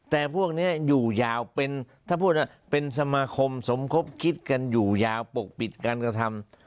แต่พวกนี้อยู่ยาวเป็นถ้าพูดว่าเป็นสมาคมสมคบคิดกันอยู่ยาวปกปิดการกระทำ